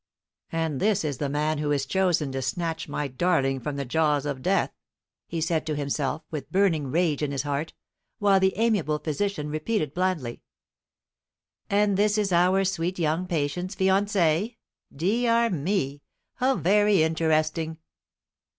"And this is the man who is chosen to snatch my darling from the jaws of death!" he said to himself, with burning rage in his heart, while the amiable physician repeated blandly: "And this is our sweet young patient's fiancé. Dee ar me, how very interesting!"